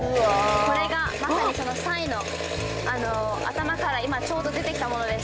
これがまさにそのサイの頭から今ちょうど出てきたものです。